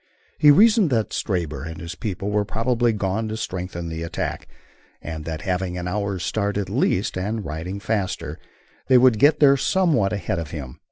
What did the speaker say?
He reasoned that Stabber and his people were probably gone to strengthen the attack, and that having an hour's start at least, and riding faster, they would get there somewhat ahead of him.